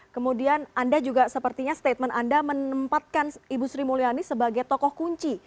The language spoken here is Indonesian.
kemudian anda juga sepertinya statement anda menempatkan ibu sri mulyani sebagai tokoh kunci